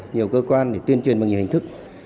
nhiều cơ quan để tuyên truyền bằng nhiều hình thức